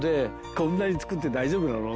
こんなに作って大丈夫なの？